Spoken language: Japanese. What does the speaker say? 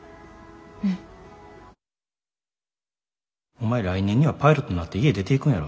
お前来年にはパイロットになって家出ていくんやろ。